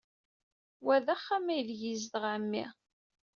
Wa d axxam aydeg yezdeɣ ɛemmi.